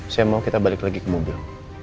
saya mau kita balik lagi ke mobil